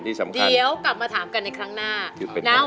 เดี๋ยวกลับมาถามกันในครั้งหน้า